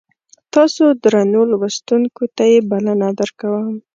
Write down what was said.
تاسو درنو لوستونکو ته یې بلنه درکوم.